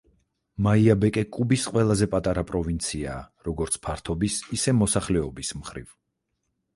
მაიაბეკე კუბის ყველაზე პატარა პროვინციაა, როგორც ფართობის, ისე მოსახლეობის მხრივ.